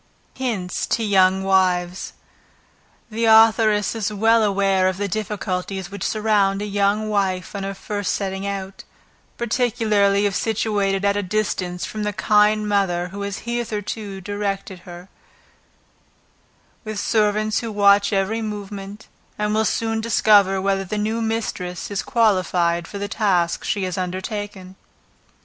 Hints to Young Wives. The authoress is well aware of the difficulties which surround a young wife on her first setting out, particularly if situated at a distance from the kind mother who has hitherto directed her, with servants who watch every movement, and who will soon discover whether the new mistress is qualified for the task she has undertaken.